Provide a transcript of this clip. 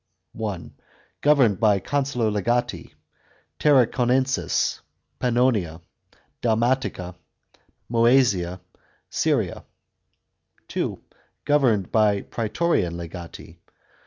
(1) Governed by consular legati. Tarraconensis. Pannonia. Palmatia. Jlcesia. Syria. (2) Governed by praetorian legati.